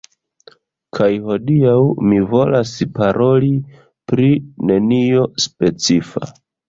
Kaj hodiaŭ mi volas paroli pri nenio specifa